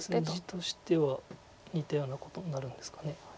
地としては似たようなことになるんですか。